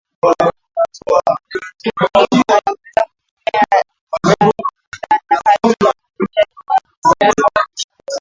mkulima anaweza kutumia dhana katika uvunaji wa viazi lishe